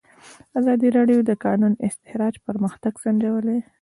ازادي راډیو د د کانونو استخراج پرمختګ سنجولی.